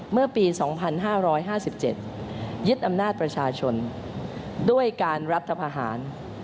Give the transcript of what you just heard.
เมื่อปี๒๕๕๗ยึดอำนาจประชาชนด้วยการรัฐพาหาร